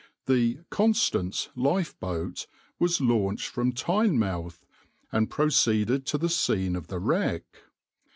The {\itshape{Constance}} lifeboat was launched from Tynemouth, and proceeded to the scene of the wreck.